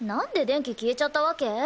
電気消えちゃったわけ？